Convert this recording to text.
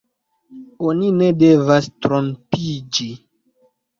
Oni ne devas trompiĝi.